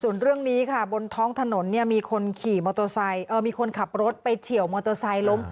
ส่วนเรื่องนี้บนท้องถนนมีคนขับรถไปเฉี่ยวมอเตอร์ไซค์ลง